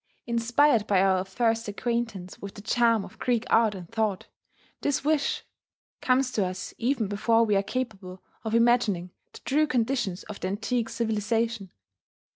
Inspired by our first acquaintance with the charm of Greek art and thought, this wish comes to us even before we are capable of imagining the true conditions of the antique civilization.